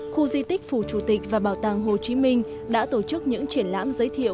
khu di tích phủ chủ tịch và bảo tàng hồ chí minh đã tổ chức những triển lãm giới thiệu